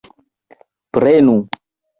Prenu!